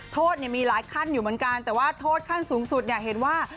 โทษมีหลายขั้นอยู่เหมือนกันแต่ว่าโทษขั้นสูงสุดเนี่ยเห็นว่า